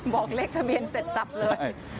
บอกเลขทะเบียนเสร็จสับเลย